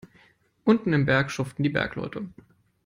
Unten im Berg schuften die Bergleute.